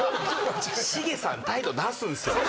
繁さん態度出すんですよ。